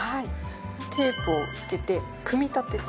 テープを付けて組み立てていきます。